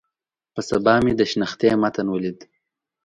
په سبا مې د شنختې متن ولیک.